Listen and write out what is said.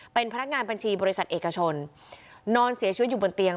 เป็นพนักงานบัญชีบริษัทเอกชนนอนเสียชีวิตอยู่บนเตียง